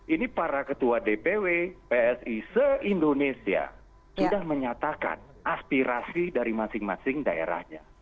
ini para ketua dpw psi se indonesia sudah menyatakan aspirasi dari masing masing daerahnya